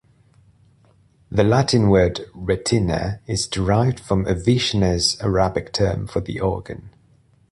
The Latin word "retina" is derived from Avicenna's Arabic term for the organ.